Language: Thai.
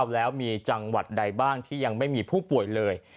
แล้วมีจังหวัดใดบ้างที่ยังไม่มีผู้ป่วยเลย